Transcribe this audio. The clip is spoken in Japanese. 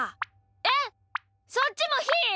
えっそっちもひー？